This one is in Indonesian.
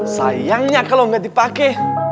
sayangnya kalau gak dipake